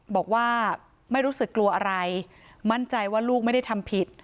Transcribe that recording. บอกว่าไม่รู้สึกกลัวอะไรมั่นใจว่าลูกไม่ได้ทำผิด